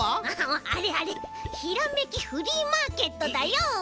あれあれひらめきフリーマーケットだよ。